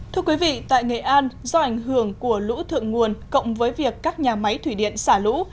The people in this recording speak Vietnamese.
thưa quý vị tại nghệ an do ảnh hưởng của lũ thượng nguồn cộng với việc các nhà máy thủy điện xả lũ